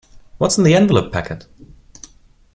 What's in the envelope packet?